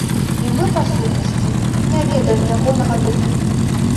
І мы, па сутнасці, і не ведаем ягонага лёсу.